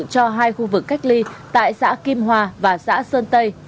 cho hai khu vực cách ly tại xã kim hoa và xã sơn tây